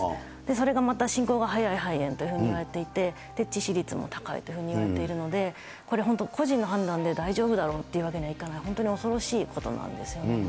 それがまた進行が早い肺炎というふうにいわれていて、致死率も高いというふうに言われているので、これ、本当、個人の判断で大丈夫だろうっていうふうにはいかない、本当に恐ろしいことなんですよね。